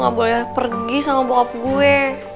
gue gak boleh pergi sama bokap gue